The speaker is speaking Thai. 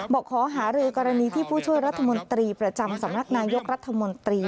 บอกขอหารือกรณีที่ผู้ช่วยรัฐมนตรีประจำสำนักนายกรัฐมนตรี